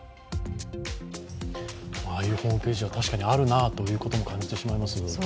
ああいうホームページは確かにあるなということも感じてしまいます。